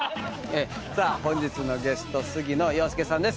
本日のゲスト杉野遥亮さんです。